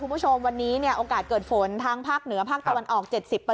คุณผู้ชมวันนี้โอกาสเกิดฝนทั้งภาคเหนือภาคตะวันออก๗๐